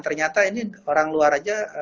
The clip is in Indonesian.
ternyata ini orang luar saja